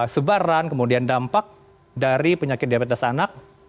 sebaran kemudian dampak dari penyakit diabetes anak